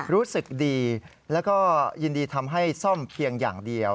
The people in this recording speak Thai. รู้สึกดีแล้วก็ยินดีทำให้ซ่อมเพียงอย่างเดียว